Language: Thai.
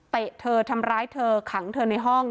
เธอทำร้ายเธอขังเธอในห้อง